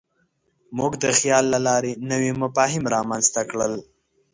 موږ د خیال له لارې نوي مفاهیم رامنځ ته کړل.